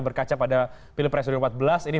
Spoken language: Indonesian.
berkaca pada pilpres dua ribu empat belas ini